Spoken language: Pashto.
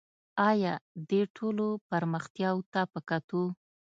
آیا دې ټولو پرمختیاوو ته په کتو